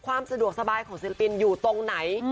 ความสะดวกสบายของศิลปินอยู่ตรงไหน